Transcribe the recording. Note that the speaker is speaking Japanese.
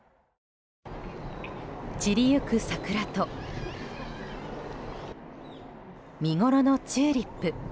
散りゆく桜と見ごろのチューリップ。